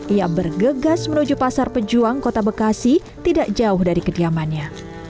ia bergegas menuju pasar pejuang kota bekasi tidak jauh dari kediamannya